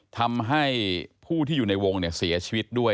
ทำให้ผู้ที่อยู่ในวงเสียชีวิตด้วย